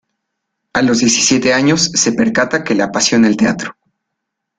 A los diecisiete años se percata que le apasiona el teatro.